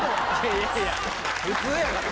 いやいや普通やから。